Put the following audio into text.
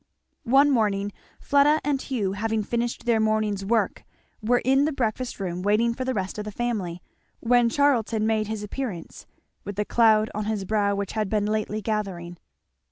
One morning Fleda and Hugh having finished their morning's work were in the breakfast room waiting for the rest of the family, when Charlton made his appearance, with the cloud on his brow which had been lately gathering.